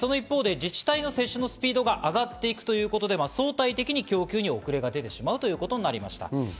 自治体の接種のスピードが上がっていくということで、相対的に供給に遅れが出てしまうということになります。